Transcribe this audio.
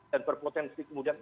dan berpotensi kemudian